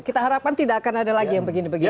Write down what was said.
kita harapkan tidak akan ada lagi yang begini begini